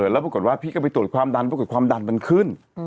แล้วปรากฏว่าพี่ก็ไปตรวจความดันปรากฏความดันมันขึ้น